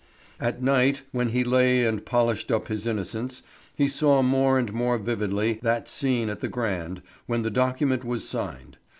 At night, when he lay and polished up his innocence, he saw more and more vividly that scene at the Grand, when the document was signed.